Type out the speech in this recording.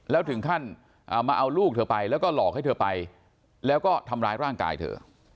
แล้วถึงขั้นมาเอาลูกเธอไปแล้วก็หลอกให้เธอไปแล้วก็ทำร้ายร่างกายเธอ